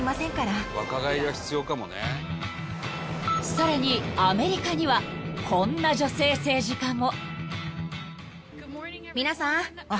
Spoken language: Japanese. ［さらにアメリカにはこんな女性政治家も］